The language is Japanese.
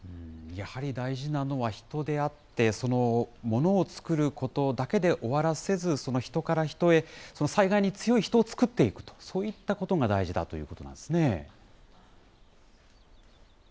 やはり大事なのは人であって、そのものを作ることだけで終わらせず、その人から人へ、災害に強い人を作っていくと、そういったことが大事だということなんですね。